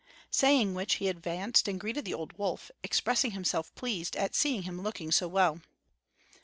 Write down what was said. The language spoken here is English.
Saying which he advanced and greeted the old wolf, expressing himself pleased at seeing him looking so well.